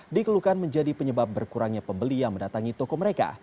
dikeluhkan menjadi penyebab berkurangnya pembeli yang mendatangi toko mereka